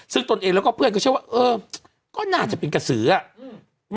ซึ่งตนเองแล้วก็เพื่อนก็เชื่อว่าเออก็น่าจะเป็นกระสืออ่ะอืม